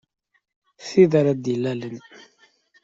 Tid ara d-ilalen.